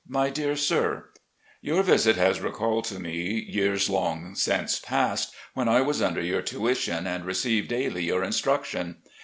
"My Dear Sir: Your visit has recalled to me years long since passed, when I was under your tuition and received daily your instruction.